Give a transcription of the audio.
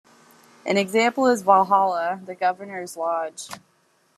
An example is Valhalla, the governor's lodge.